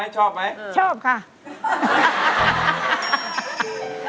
ชอบไหมไหมครับค่ะ